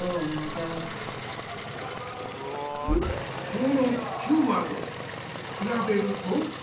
今日のＱワード「くらべると？」。